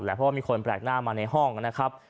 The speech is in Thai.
แหละเพราะมันเปลี่ยนคนแปลกหน้ามันในห้องนะครับ